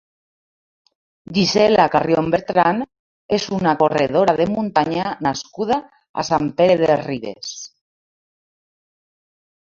Gisela Carrión Bertran és una corredora de muntanya nascuda a Sant Pere de Ribes.